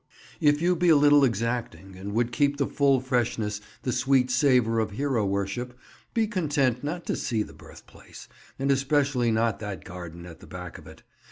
[Picture: Shakespeare's Birthplace] If you be a little exacting, and would keep the full freshness, the sweetest savour of hero worship, be content not to see the Birthplace, and especially not that garden at the back of it.